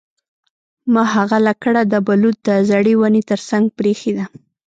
ما هغه لکړه د بلوط د زړې ونې ترڅنګ پریښې ده